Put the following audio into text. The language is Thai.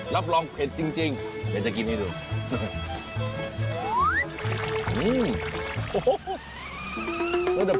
รับรองเผ็ดจริงเดี๋ยวจะกินให้ดู